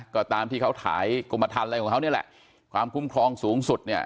ก็ตามที่เขาถ่ายกรมทันอะไรของเขานี่แหละความคุ้มครองสูงสุดเนี่ย